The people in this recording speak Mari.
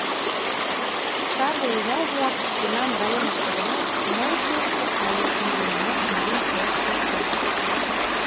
Саде ял-влак шкенан районышто гынат, мый тушко але нигунамат миен коштын омыл.